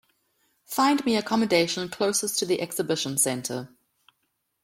Find me accommodation closest to the exhibition center.